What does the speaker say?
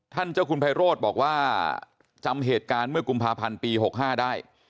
เจ้าคุณไพโรธบอกว่าจำเหตุการณ์เมื่อกุมภาพันธ์ปี๖๕ได้